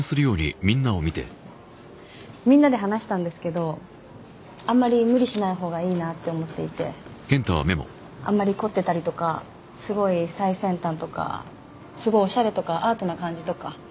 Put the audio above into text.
みんなで話したんですけどあんまり無理しないほうがいいなって思っていてあんまり凝ってたりとかすごい最先端とかすごいオシャレとかアートな感じとか？